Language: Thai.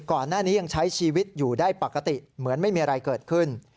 ก่อนหน้านี้ยังใช้ชีวิตอยู่ได้ปกติเหมือนไม่มีอะไรเกิดขึ้น